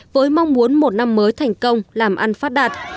với mong muốn một năm mới thành công làm ăn phát đạt